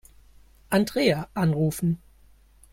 Andrea anrufen.